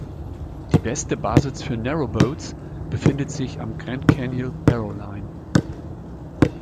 Die beste Basis für Narrowboats befindet sich am Grand Canal, Barrow Line.